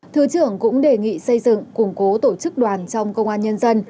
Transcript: thứ trưởng cũng đề nghị xây dựng củng cố tổ chức đoàn trong công an nhân dân